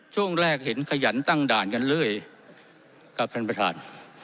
ช่วงแรกเห็นขยันตั้งด่านกันเรื่อยครับท่านประธาน